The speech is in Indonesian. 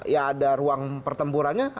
ya ada ruang pertempurannya